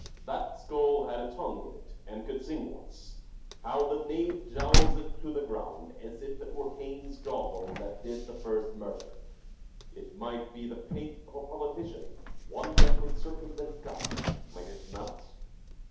" That skull had a tongue in it and could sing once ; how the knave jowls it to the ground as if it were Cain's jaw bone that did the first murder I It might be the pate of a politician, one that would circumvent God, might it not